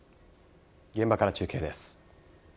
現場から中継です。